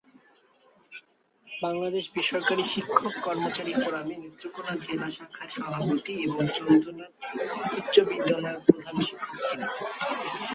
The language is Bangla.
বাংলাদেশ বেসরকারি শিক্ষক কর্মচারী ফোরামে নেত্রকোণা জেলা শাখার সভাপতি এবং চন্দ্রনাথ উচ্চ বিদ্যালয়ের প্রধান শিক্ষক তিনি।